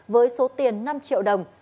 với số tiền năm triệu đồng